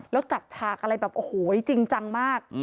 แล้วจัดฉากอะไรแบบโอ้โหจริงจังมาก